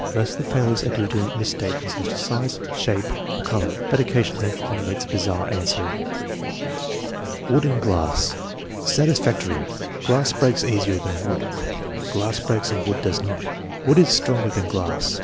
Most of the failures are due to misstatements as to size, shape, or color, but occasionally one meets a bizarre answer. Wood and glass Satisfactory. "Glass breaks easier than wood." "Glass breaks and wood does not." "Wood is stronger than glass."